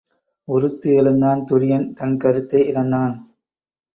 உருத்து எழுந்தான் துரியன் தன் கருத்தை இழந்தான்.